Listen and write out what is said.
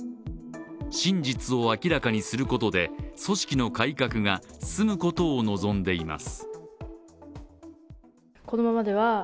真実を明らかにすることで組織の改革が進むことを望んでいます。